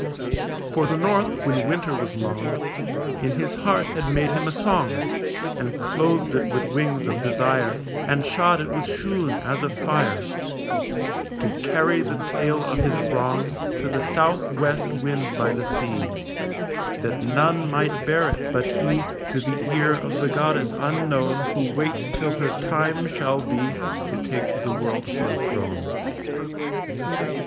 For the north, when winter was long, In his heart had made him a song, And clothed it with wings of desire, And shod it with shoon as of fire, To carry the tale of his wrong To the south west wind by the sea, That none might bear it but he To the ear of the goddess unknown Who waits till her time shall be To take the world for a throne.